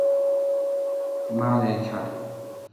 მანეთად იყო შეფასებული.